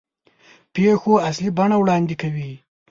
پېښو اصلي بڼه وړاندې کوي.